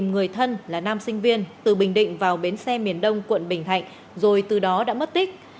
một người thân là nam sinh viên từ bình định vào bến xe miền đông quận bình thạnh rồi từ đó đã mất tích